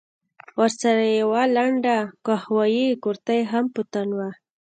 ورسره يې يوه لنډه قهويي کورتۍ هم په تن وه.